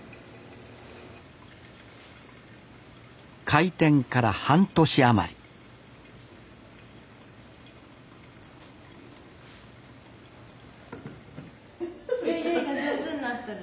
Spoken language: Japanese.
開店から半年余りヨイヨイが上手になっとる。